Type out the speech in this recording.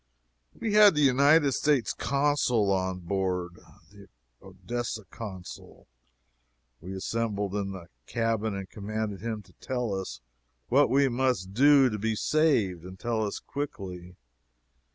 We had the United States Consul on board the Odessa Consul. We assembled in the cabin and commanded him to tell us what we must do to be saved, and tell us quickly.